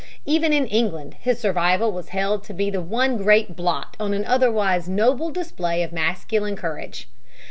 Even in England his survival was held to be the one great blot on an otherwise noble display of masculine courage.